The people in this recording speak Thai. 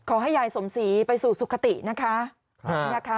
ขอให้ยายสมศรีไปสู่สุขตินะคะ